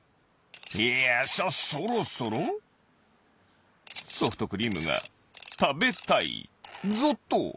いやそろそろソフトクリームがたべたいぞっと！